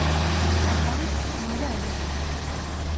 Per tant, no hi ha delicte.